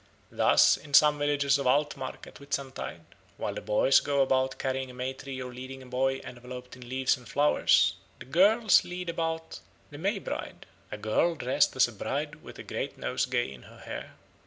Thus in some villages of Altmark at Whitsuntide, while the boys go about carrying a May tree or leading a boy enveloped in leaves and flowers, the girls lead about the May Bride, a girl dressed as a bride with a great nosegay in her hair.